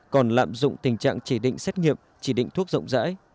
còn lạm dụng tình trạng chỉ định xét nghiệm chỉ định thuốc rộng rãi